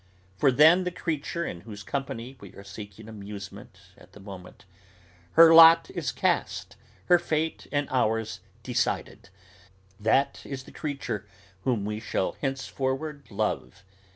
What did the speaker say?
For then the creature in whose company we are seeking amusement at the moment, her lot is cast, her fate and ours decided, that is the creature whom we shall henceforward love.